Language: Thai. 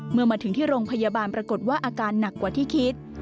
เมื่อมาถึงที่โรงพยาบาลปรากฏว่าอาการหนักกว่าที่คิด